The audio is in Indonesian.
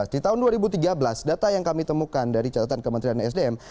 di tahun dua ribu tiga belas data yang kami temukan dari catatan kementerian sdm